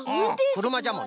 くるまじゃもんね。